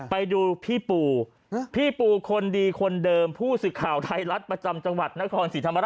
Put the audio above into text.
ไปดูพี่ปูพี่ปูคนดีคนเดิมผู้สื่อข่าวไทยรัฐประจำจังหวัดนครศรีธรรมราช